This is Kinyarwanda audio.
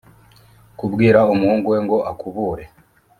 kubwira umuhungu we ngo akubure